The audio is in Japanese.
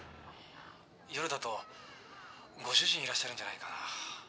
「夜だとご主人いらっしゃるんじゃないかな」